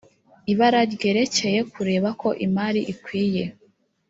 ibara ryerekeye kureba ko imari ikwiye